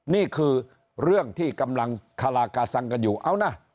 นี่คือเรื่องที่กำลังคารากาสังกันอยู่เอานะ